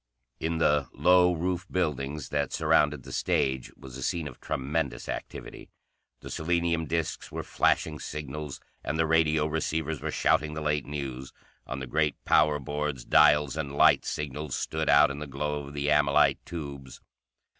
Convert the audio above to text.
In the low roof buildings that surrounded the stage was a scene of tremendous activity. The selenium discs were flashing signals, and the radio receivers were shouting the late news; on the great power boards dials and light signals stood out in the glow of the amylite tubes.